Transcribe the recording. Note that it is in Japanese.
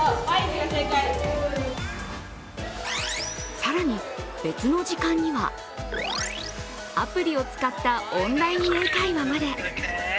更に別の時間には、アプリを使ったオンライン英会話まで。